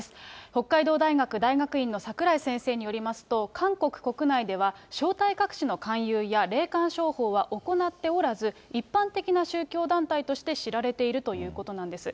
北海道大学大学院の櫻井先生によりますと、韓国国内では、正体隠しの勧誘や、霊感商法は行っておらず、一般的な宗教団体として知られているということなんです。